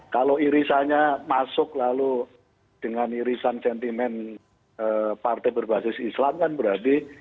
kalau irisannya masuk lalu dengan irisan sentimen partai berbasis islam kan berarti